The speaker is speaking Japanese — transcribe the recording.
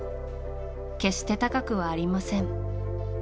決して高くはありません。